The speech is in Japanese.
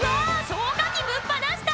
消火器ぶっ放した！